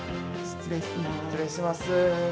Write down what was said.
失礼します。